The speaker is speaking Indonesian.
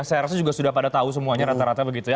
saya rasa juga sudah pada tahu semuanya rata rata begitu ya